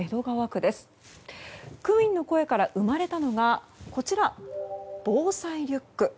区民の声から生まれたのがこちら、防災リュック。